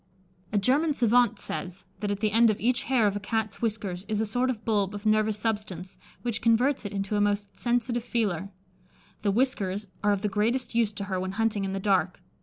A German savant says, that at the end of each hair of a Cat's whiskers is a sort of bulb of nervous substance, which converts it into a most sensitive feeler. The whiskers are of the greatest use to her when hunting in the dark.